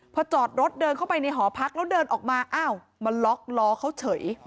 พอจอดรถเดินเข้าไปในหอพักแล้วเดินออกมาอ้าวมาล็อกล้อเขาเฉย